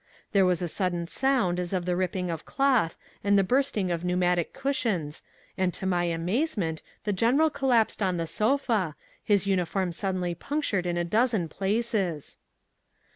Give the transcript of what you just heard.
There was a sudden sound as of the ripping of cloth and the bursting of pneumatic cushions and to my amazement the General collapsed on the sofa, his uniform suddenly punctured in a dozen places.